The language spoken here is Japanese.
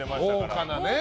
豪華なね。